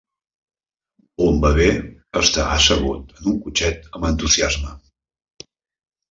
Un bebè està assegut en un cotxet amb entusiasme.